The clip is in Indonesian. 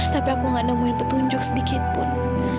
tapi aku gak nemuin petunjuk sedikitpun